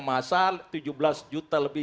masal tujuh belas juta lebih